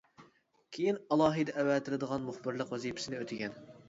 كېيىن ئالاھىدە ئەۋەتىلىدىغان مۇخبىرلىق ۋەزىپىسىنى ئۆتىگەن.